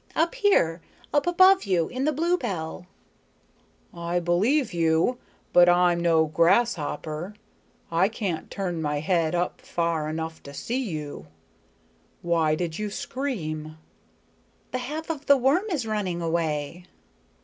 "Up here. Up above you. In the bluebell." "I believe you, but I'm no grasshopper. I can't turn my head up far enough to see you. Why did you scream?" "The half of the worm is running away."